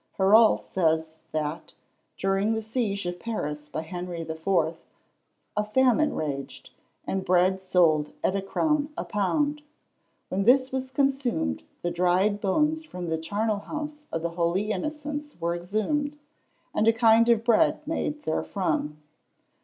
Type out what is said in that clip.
Herault says that, during the siege of Paris by Henry the Fourth, a famine raged, and bread sold at a crown a pound. When this was consumed, the dried bones from the charnel house of the Holy Innocents were exhumed, and a kind of bread made therefrom.